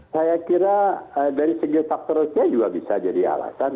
saya kira dari segi faktor usia juga bisa jadi alasan